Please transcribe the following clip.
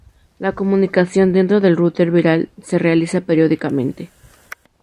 La comunicación dentro del router virtual se realiza periódicamente.